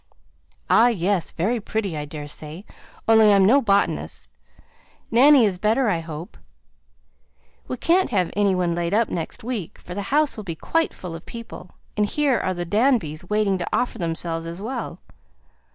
"Ah! yes; very pretty I daresay, only I am no botanist. Nanny is better, I hope? We can't have any one laid up next week, for the house will be quite full of people, and here are the Danbys waiting to offer themselves as well.